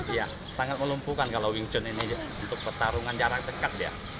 iya sangat melumpuhkan kalau wing chun ini untuk pertarungan jarak dekat ya